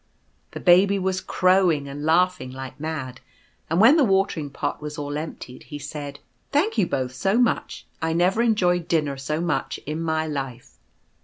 The Baby was crowing and laugh ing like mad ; and when the watering pot was all emptied, he said :" Thank you both so much. I never enjoyed dinner so much in my life."